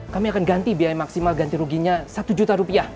kami akan ganti biaya maksimal ganti ruginya satu juta rupiah